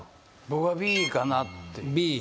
僕はＢかなっていうＢ？